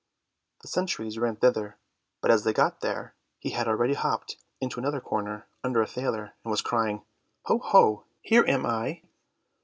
The sentries ran thither, but as they got there, he had already hopped into another corner under a thaler, and was crying, "Ho, ho, here am I!"